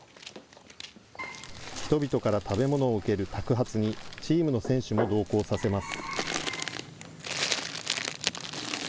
人々から食べ物を受けるたく鉢に、チームの選手も同行させます。